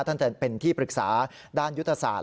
ทั้งแต่เป็นที่ปรึกษาด้านยุทธศาสตร์